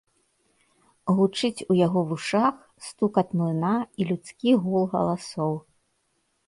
Гучыць у яго вушах стукат млына і людскі гул галасоў.